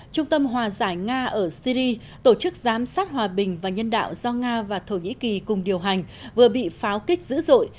trung tâm hòa giải nga ở syri tổ chức giám sát hòa bình và nhân đạo do nga và thổ nhĩ kỳ cùng điều hành vừa bị pháo kích dữ dội